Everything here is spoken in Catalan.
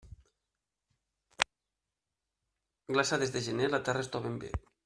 Glaçades de gener la terra estoven bé.